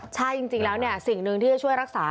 ใช่จริงแล้วสิ่งหนึ่งที่จะช่วยรักษา